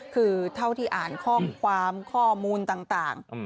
คือเท่าที่อ่านข้อความข้อมูลต่าง